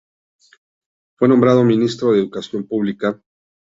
Fue nombrado Ministro de Educación Pública.